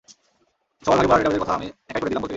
সবার ভাগে পড়া ডেটাবেজের কাজ আমি একাই করে দিলাম বলতে গেলে।